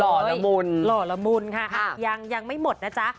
ละมุนหล่อละมุนค่ะยังยังไม่หมดนะจ๊ะ